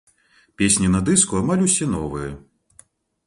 Песні на дыску амаль усе новыя.